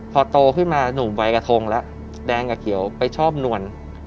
พอโตขึ้นมาหนุ่มวัยกระทงแล้วแดงกับเขียวไปชอบนวล